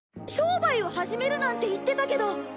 商売を始めるなんて言ってたけど。